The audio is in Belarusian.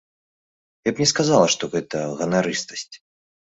Я б не сказала, што гэта ганарыстасць.